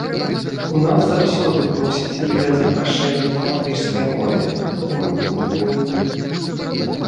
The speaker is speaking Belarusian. У нас заўсёды просяць відэазапрашэнне на латышскай мове і мы публікуем.